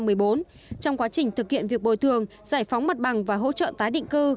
trong quá trình thực hiện việc bồi thường giải phóng mặt bằng và hỗ trợ tái định cư